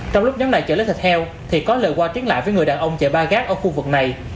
trong lúc nhóm này chở lấy thịt heo thì có lời qua chiến lại với người đàn ông chạy ba gác ở khu vực này